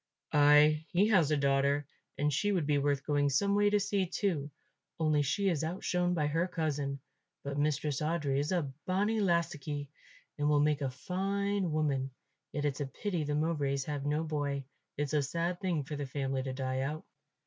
"Ay, he has a daughter, and she would be worth going some way to see too; only she is outshone by her cousin. But Mistress Audry is a bonnie lassockie and will make a fine woman. Yet it's a pity the Mowbrays have no boy. It's a sad thing for the family to die out."